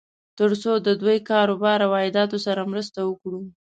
تر څو د دوی کار و بار او عایداتو سره مرسته وکړو.